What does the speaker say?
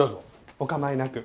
お構いなく。